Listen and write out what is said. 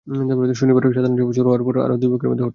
শনিবার সাধারণ সভা শুরু হওয়ার আবারও দুই পক্ষের মধ্যে হট্টগোল হয়।